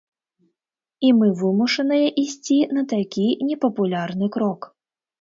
І мы вымушаныя ісці на такі непапулярны крок.